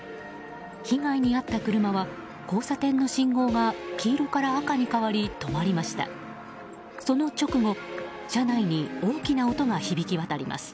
被害に遭った車は交差点の信号が黄色から赤に変わり止まりました。